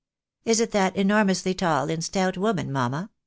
" Is it that enormously tall and stout woman, manuna